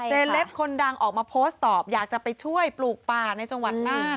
เล็ปคนดังออกมาโพสต์ตอบอยากจะไปช่วยปลูกป่าในจังหวัดน่าน